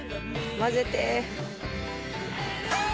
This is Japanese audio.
混ぜて。